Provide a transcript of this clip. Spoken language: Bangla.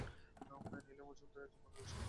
লীলা মজুমদার একজন বাঙালি সাহিত্যিক।